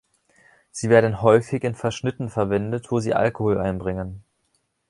Sie werden häufig in Verschnitten verwendet, wo sie Alkohol einbringen.